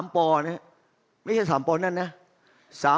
๓ปอเนี้ยไม่ใช่๓ปอนั่นนะ